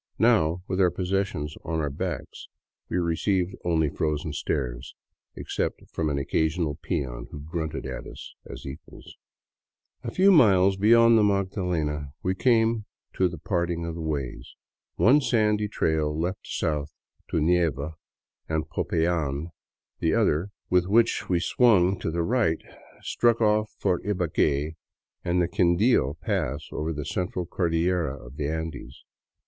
Now, with our pos sessions on our own backs, we received only frozen stares, except from an occasional peon who grunted at us as equals. A few miles beyond the Magdalena we came to the parting of the ways. One sandy trail led south to Neiva and Popayan; the other, with which we swung to the right, struck off for Ibague and the Quindio pass over the Central Cordillera of the Andes.